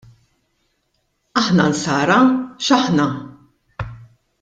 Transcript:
Aħna nsara, x'aħna?